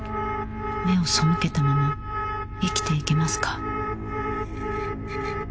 目をそむけたまま生きていけますか？